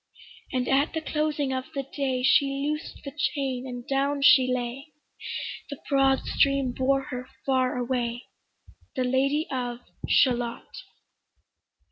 And at the closing of the day She loosed the chain, and down she lay; The broad stream bore her far away, The Lady of Shalott.